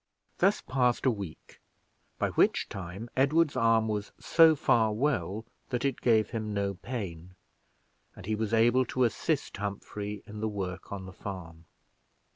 Thus passed a week, by which time Edward's arm was so far well that it gave him no pain, and he was able to assist Humphrey in the work on the farm.